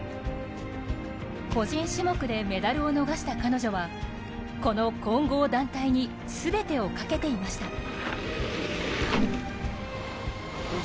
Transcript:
個人種目でメダルを逃した彼女はこの混合団体に全てをかけていました。